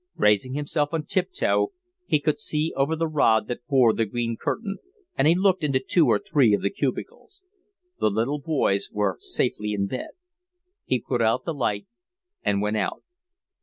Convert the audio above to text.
Raising himself on tiptoe he could see over the rod that bore the green curtain, and he looked into two or three of the cubicles. The little boys were safely in bed. He put out the light and went out.